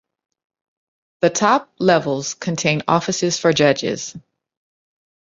The top levels contain offices for judges.